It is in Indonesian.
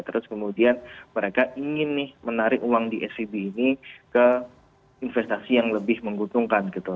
terus kemudian mereka ingin nih menarik uang di svb ini ke investasi yang lebih menguntungkan gitu